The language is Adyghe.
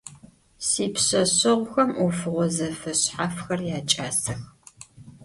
Sipşseşseğuxem ofığo zefeşshafxer yaç'asex.